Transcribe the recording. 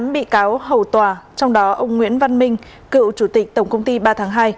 tám bị cáo hầu tòa trong đó ông nguyễn văn minh cựu chủ tịch tổng công ty ba tháng hai